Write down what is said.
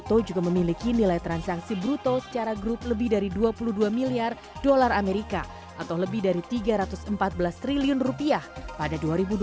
to juga memiliki nilai transaksi bruto secara grup lebih dari dua puluh dua miliar dolar amerika atau lebih dari tiga ratus empat belas triliun rupiah pada dua ribu dua puluh